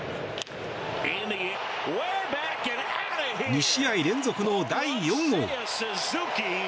２試合連続の第４号。